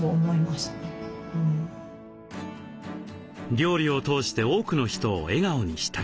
料理を通して多くの人を笑顔にしたい。